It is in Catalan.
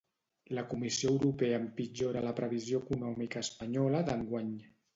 La Comissió Europea empitjora la previsió econòmica espanyola d'enguany.